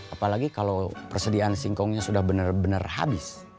apalagi kalau persediaan simkongnya sudah bener bener habis